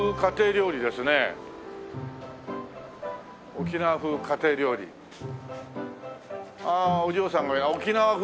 「沖縄風家庭料理」ああお嬢さんが沖縄風